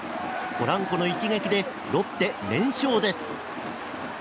ポランコの一撃でロッテ、連勝です。